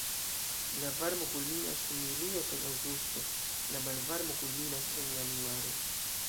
La varmo kulminas en julio kaj aŭgusto, la malvarmo kulminas en januaro.